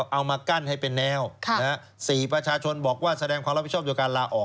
เอามากั้นให้เป็นแนว๔ประชาชนบอกว่าแสดงความรับผิดชอบโดยการลาออก